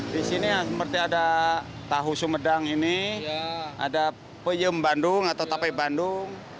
di sini seperti ada tahu sumedang ini ada peyem bandung atau tape bandung